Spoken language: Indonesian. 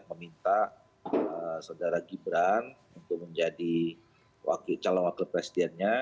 meminta saudara gibran untuk menjadi calon wakil presidennya